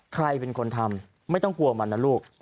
ใครเป็นคนทำไม่ต้องกลัวมันนะลูก